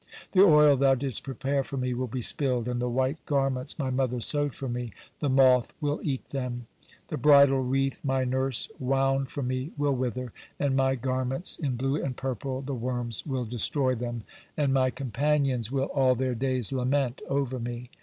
The oil thou didst prepare for me will be spilled, and the white garments my mother sewed for me, the moth will eat them; the bridal wreath my nurse wound for me will wither, and my garments in blue and purple, the worms will destroy them, and my companions will all their days lament over me.